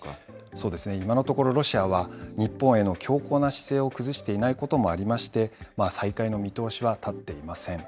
そうですね、今のところロシアは日本への強硬な姿勢を崩していないこともありまして、再開の見通しは立っていません。